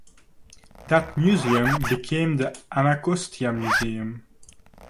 That museum became the Anacostia Museum.